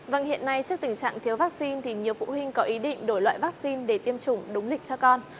vâng hiện nay trước tình trạng thiếu vaccine thì nhiều phụ huynh có ý định đổi loại vaccine để tiêm chủng đúng lịch cho con